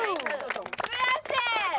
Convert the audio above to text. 悔しい！